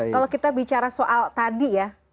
kalau kita bicara soal tadi ya